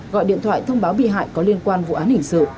gọi điện thoại thông báo bị hại có liên quan vụ án hình sự